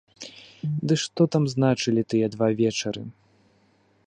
Ды што там значылі тыя два вечары!